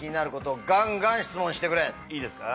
いいですか？